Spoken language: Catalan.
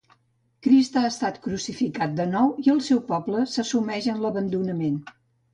Crist ha estat crucificat de nou i el seu poble se sumeix en l'abandonament.